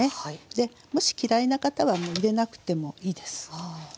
もし嫌いな方は入れなくてもいいです。